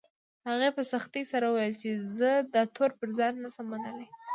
هغې په سختۍ سره وويل چې زه دا تور پر ځان نه شم منلی